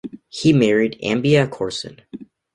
He married Ambia Corson.